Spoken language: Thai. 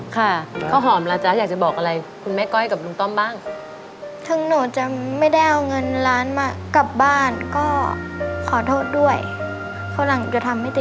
ยังมีโอกาสอีกยืดที่หนูจะทำให้กับครอบครัว